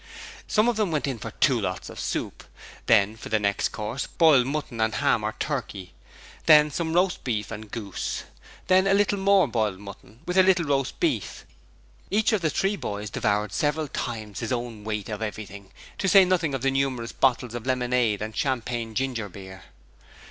Some of them went in for two lots of soup. Then for the next course, boiled mutton and ham or turkey: then some roast beef and goose. Then a little more boiled mutton with a little roast beef. Each of the three boys devoured several times his own weight of everything, to say nothing of numerous bottles of lemonade and champagne ginger beer.